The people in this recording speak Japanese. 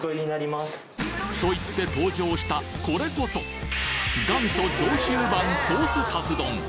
と言って登場したこれこそ元祖上州版ソースカツ丼！